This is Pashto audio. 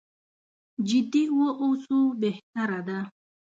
جدي واوسو بهتره ده.